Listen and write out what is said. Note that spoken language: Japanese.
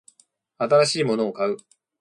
新しいものを買う